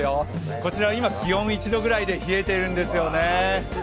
こちらは今、気温１度くらいで冷えてるんですよね。